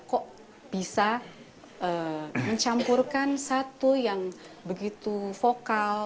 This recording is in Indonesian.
kok bisa mencampurkan satu yang begitu vokal